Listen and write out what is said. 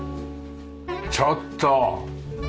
ちょっと！